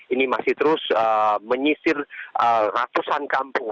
ini masih terus menyisir ratusan kampung